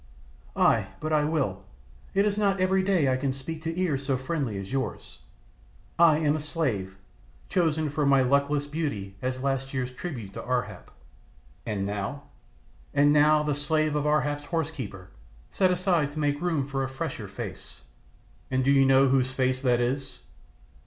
"Ay, but I will. It is not every day I can speak to ears so friendly as yours. I am a slave, chosen for my luckless beauty as last year's tribute to Ar hap." "And now?" "And now the slave of Ar hap's horse keeper, set aside to make room for a fresher face." "And do you know whose face that is?"